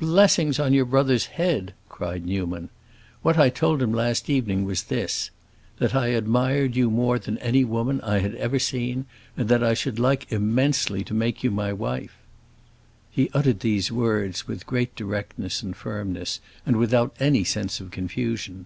"Blessings on your brother's head!" cried Newman. "What I told him last evening was this: that I admired you more than any woman I had ever seen, and that I should like immensely to make you my wife." He uttered these words with great directness and firmness, and without any sense of confusion.